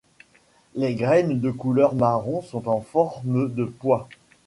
Les graines de couleur marron sont en forme de pois.